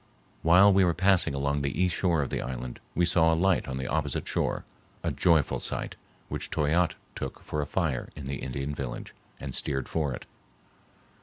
While we were passing along the east shore of the island we saw a light on the opposite shore, a joyful sight, which Toyatte took for a fire in the Indian village, and steered for it.